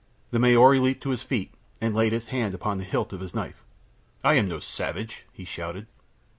The Maori leaped to his feet and laid his hand upon the hilt of his knife. "I am no savage," he shouted.